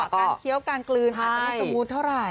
จังหวะการเคี้ยวการกลืนอาจจะไม่สมบูรณ์เท่าไหร่